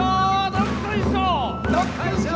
どっこいしょ！